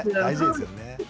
大事ですよね。